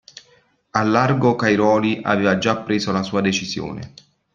Al largo Cairoli aveva già preso la sua decisione.